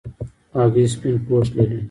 هګۍ سپینه پوښ لري.